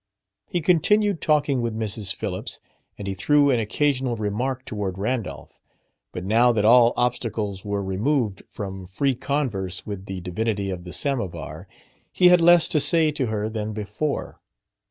He continued talking with Mrs. Phillips, and he threw an occasional remark toward Randolph; but now that all obstacles were removed from free converse with the divinity of the samovar he had less to say to her than before.